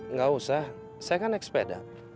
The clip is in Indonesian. nggak usah saya kan naik sepeda